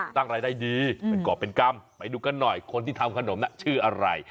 ตั้งรายได้ดีเป็นกรอบเป็นกรรมไปดูกันหน่อยคนที่ทำขนมน่ะชื่ออะไร